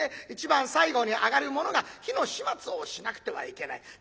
一番最後に上がる者が火の始末をしなくてはいけない。